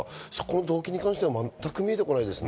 動機に関して全く見えてこないですね。